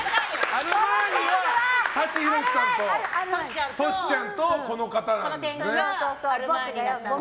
アルマーニは舘ひろしさんとトシちゃんとこの方だと。